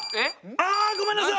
あごめんなさい！